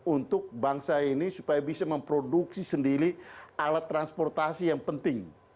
untuk bangsa ini supaya bisa memproduksi sendiri alat transportasi yang penting